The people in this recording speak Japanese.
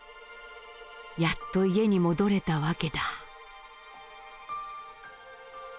やっと家に戻れた訳だ」。